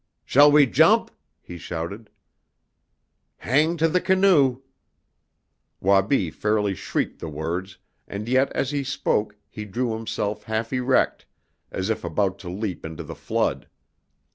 "Shall we jump?" he shouted. "Hang to the canoe." Wabi fairly shrieked the words, and yet as he spoke he drew himself half erect, as if about to leap into the flood.